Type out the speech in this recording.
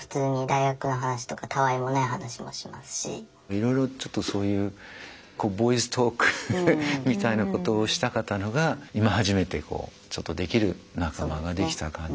いろいろちょっとそういうボーイズトークみたいなことをしたかったのが今初めてちょっとできる仲間ができた感じですよね。